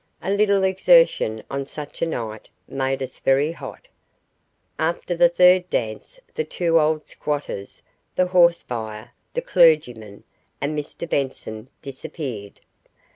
A little exertion on such a night made us very hot. After the third dance the two old squatters, the horse buyer, the clergyman, and Mr Benson disappeared.